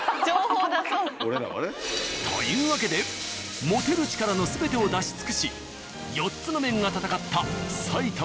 俺らはね。というわけで持てる力の全てを出し尽くし４つの麺が戦ったこのあと